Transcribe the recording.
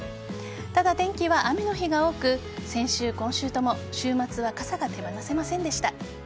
ただ、天気は雨の日が多く先週、今週とも週末は傘が手放せませんでした。